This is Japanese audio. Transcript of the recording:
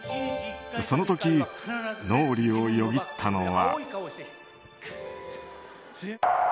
その時、脳裏をよぎったのは。